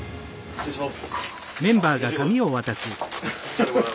失礼します！